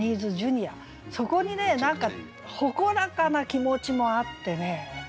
そこにね何か誇らかな気持ちもあってね。